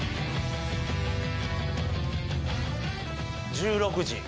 １６時。